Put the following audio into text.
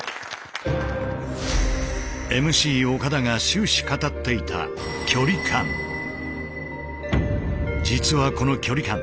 ＭＣ岡田が終始語っていた実はこの「距離感」